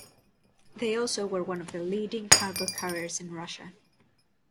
They also were one of the leading cargo carriers in Russia.